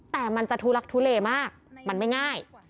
แต่มันจะทุลักทุเลมากมันไม่ง่าย